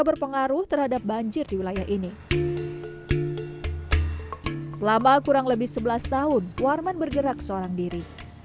berpengaruh terhadap banjir di wilayah ini selama kurang lebih sebelas tahun warman bergerak seorang diri